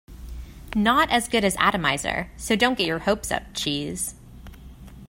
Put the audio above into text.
Not as good as "Atomizer", so don't get your hopes up, cheese.